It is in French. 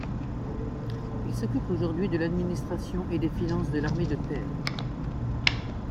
Il s'occupe aujourd'hui de l'administration et des finances de l'Armée de terre.